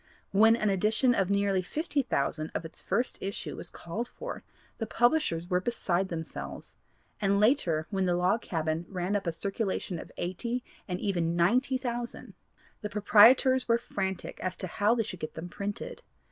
When an edition of nearly fifty thousand of its first issue was called for, the publishers were beside themselves, and later when the Log Cabin ran up a circulation of eighty and even ninety thousand, the proprietors were frantic as to how they should get them printed.